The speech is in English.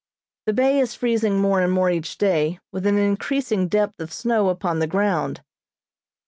The bay is freezing more and more each day, with an increasing depth of snow upon the ground.